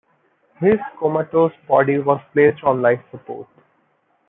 His comatose body was placed on life support.